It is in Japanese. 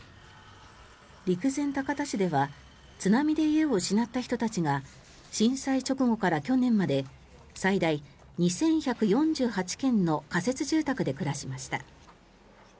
陸前高田市では津波で家を失った人たちが震災直後から去年まで最大２１４８軒の仮設住宅で暮らしました。